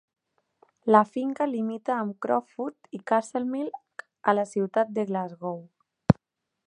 La finca limita amb Croftfoot i Castlemilk a la ciutat de Glasgow.